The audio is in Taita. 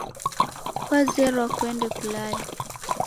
Kwazerwa kuende kulale.